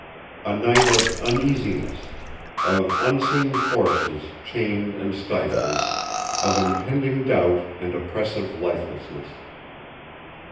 A night of uneasiness, of unseen forces chained and stifled, of impending doubt and oppressive lifelessness.